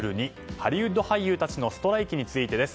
ハリウッド俳優たちのストライキについて。